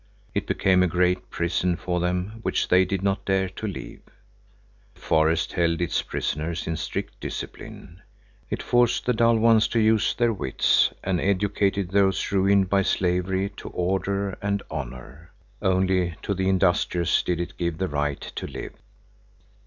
It became a great prison for them which they did not dare to leave. The forest held its prisoners in strict discipline. It forced the dull ones to use their wits and educated those ruined by slavery to order and honor. Only to the industrious did it give the right to live.